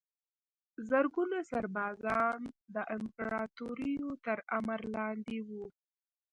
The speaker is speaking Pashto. زرګونه سربازان د امپراتوریو تر امر لاندې وو.